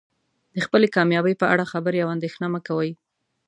د خپلې کامیابۍ په اړه خبرې او اندیښنه مه کوئ.